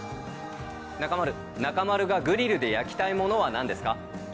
中丸、中丸がグリルで焼きたいものはなんですか。